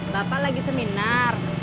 bapak lagi seminar